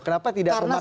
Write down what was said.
kenapa tidak memakai